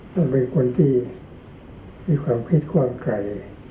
ต้องเป็นคนที่มีความคิดความไกล